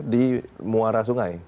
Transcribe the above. di muara sungai